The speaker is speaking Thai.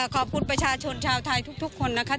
ขอบคุณประชาชนชาวไทยทุกคนนะคะ